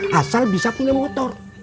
kalau perlu makannya dihemat